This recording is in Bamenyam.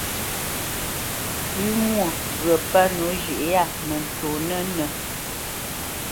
Pʉ̌ wo ŋgyə̌ pə́ nǒ zhʉ̌ʼ yâ mə ntsonə́nə̄,